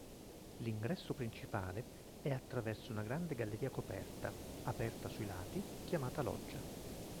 L'ingresso principale è attraverso una grande galleria coperta, aperta sui lati, chiamata loggia.